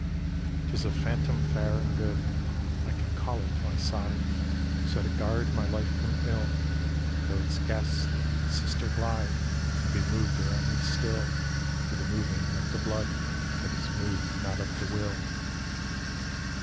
XV 'Tis a phantom fair and good I can call it to my side, So to guard my life from ill, Tho' its ghastly sister glide And be moved around me still With the moving of the blood That is moved not of the will.